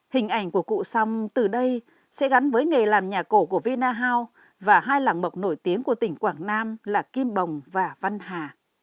hình ảnh của cụ song từ đây sẽ gắn với nghề làm nhà cổ của vinahow và hai làng mộc nổi tiếng của tỉnh quảng nam là kim bồng và văn hà